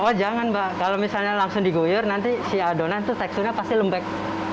oh jangan mbak kalau misalnya langsung diguyur nanti si adonan itu teksturnya pasti lembek